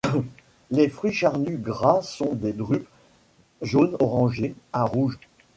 Les fruits charnus gras sont des drupes jaune-orangé à rouges.